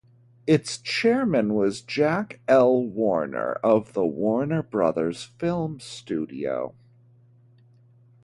Its chairman was Jack L. Warner of the Warner Brothers film studio.